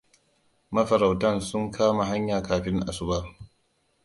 Mafarautan sun kama hanya kafin asuba.